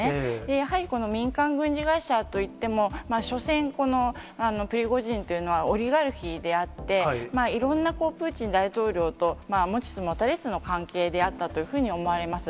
やはりこの民間軍事会社といっても、しょせん、このプリゴジンというのはオリガルヒであって、いろんなプーチン大統領と持ちつ持たれつの関係であったというふうに思われます。